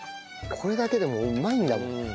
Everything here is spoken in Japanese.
これだけでもうまいんだもん。